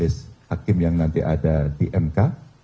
dan saya juga berharap tim yang nanti ada di mk